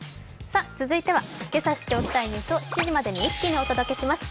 続いては今朝知っておきたいニュースを７時までに一気にお届けします